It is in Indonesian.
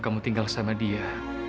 kamu tinggal sama dia